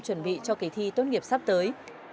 chuẩn bị cho kỳ thi tốt nghiệp sắp tới